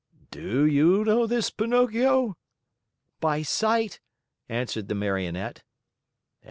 "Do you know this Pinocchio?" "By sight!" answered the Marionette.